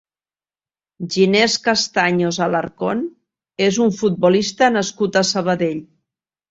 Ginés Castaños Alarcón és un futbolista nascut a Sabadell.